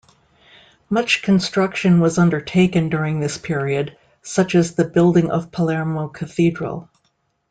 Much construction was undertaken during this period, such as the building of Palermo Cathedral.